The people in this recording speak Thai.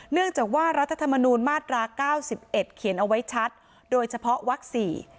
เนื่องจากว่ารัฐธรรมนุนมาตรา๙๑เขียนเอาไว้ชัดโดยเฉพาะวักษี